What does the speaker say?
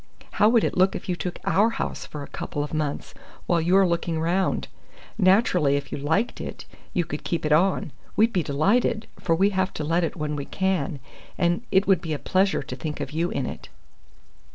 How would it be if you took our house for a couple of months, while you're looking round? Naturally, if you liked it, you could keep it on. We'd be delighted, for we have to let it when we can, and it would be a pleasure to think of you in it."